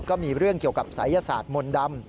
ก็มีเรื่องเกี่ยวกับศัยศาสตร์มนต์ดำ